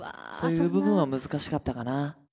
そういう部分は難しかったかな。